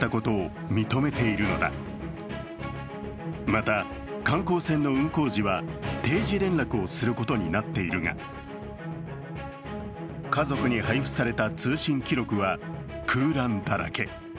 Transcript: また観光船の運航時は定時連絡をすることになっているが、家族に配付された通信記録は空欄だらけ。